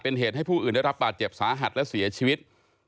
เป็นเหตุให้ผู้อื่นได้รับบาดเจ็บสาหัสและเสียชีวิต